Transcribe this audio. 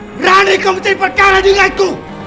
berani kau mencari perkara dengan ku